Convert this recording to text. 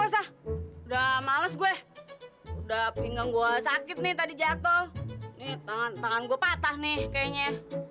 udah males gue udah pinggang gua sakit nih tadi jatuh nih tangan tangan gua patah nih kayaknya